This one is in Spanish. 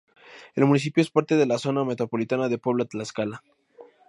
El municipio es parte de la zona metropolitana de Puebla-Tlaxcala.